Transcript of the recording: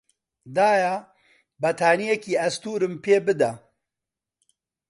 دایە، بەتانیێکی ئەستوورم پێ بدە.